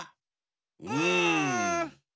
うん。